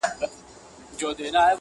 چي یې پاڼي کړو پرواز لره وزري.